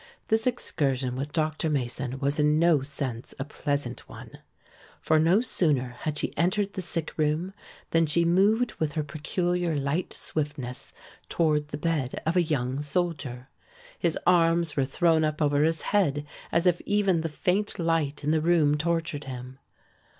This excursion with Dr. Mason was in no sense a pleasant one. For no sooner had she entered the sick room than she moved with her peculiar light swiftness toward the bed of a young soldier. His arms were thrown up over his head, as if even the faint light in the room tortured him.